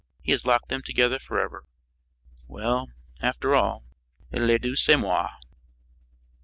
He has locked them together forever. Well, after all _le Dieu, c'est moi!